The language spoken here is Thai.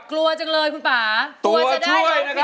กลัวจังเลยคุณป่าตัวช่วยนะครับ